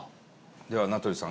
では名取さん